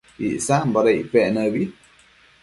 Icsamboda icpec nëbi?